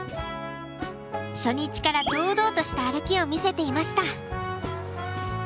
初日から堂々とした歩きを見せていました。